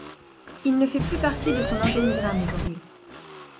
Il ne fait plus partie de son organigramme aujourd'hui.